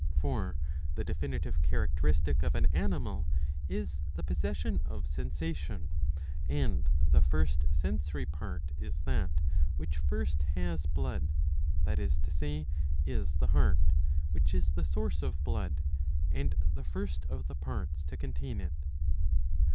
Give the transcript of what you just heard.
For the definitive characteristic of an animal is the possession of sensation ; and the first sensory part is that which first has blood ; that is to say is the heart, which is the source of blood and the first of the parts to contain it.